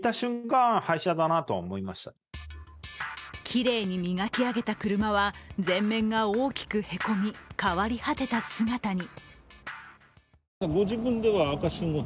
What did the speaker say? きれいに磨き上げた車は前面が大きくへこみ、変わり果てた姿に。